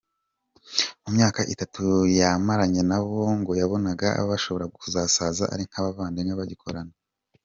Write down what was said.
Mu myaka itatu yamaranye nabo ngo yabonaga bashobora kuzasaza ari nk’abavandimwe bagikorana.